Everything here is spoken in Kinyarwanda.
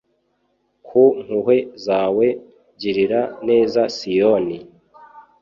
Ku mpuhwe zawe girira neza Siyoni